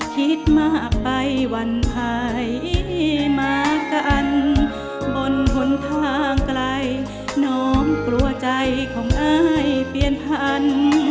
คิดมากไปว่านหายมากกะอันบนผ่นทางไกลน้องกลัวใจของอ้ายเปลี่ยนทัน